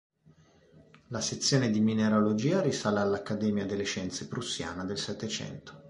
La sezione di mineralogia risale all'Accademia delle scienze prussiana del Settecento.